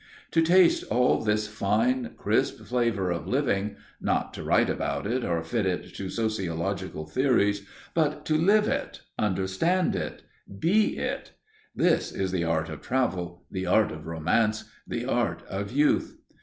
To taste all this fine, crisp flavour of living not to write about it or fit it to sociological theories, but to live it, understand it, be it this is the art of travel, the art of romance, the art of youth.